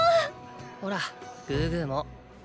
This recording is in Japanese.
ほらグーグーも。